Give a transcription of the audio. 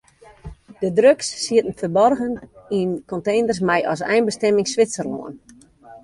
De drugs sieten ferburgen yn konteners mei as einbestimming Switserlân.